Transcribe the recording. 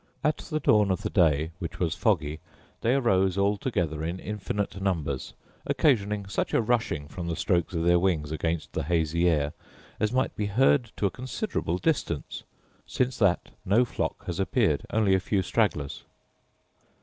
At the dawn of the day, which was foggy, they arose all together in infinite numbers, occasioning such a rushing from the strokes of their wings against the hazy air, as might be heard to a considerable distance: since that no flock has appeared, only a few stragglers.